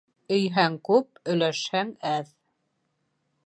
Өйһәң күп, өләшһәң әҙ.